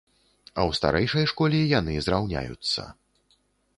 А ў старэйшай школе яны зраўняюцца.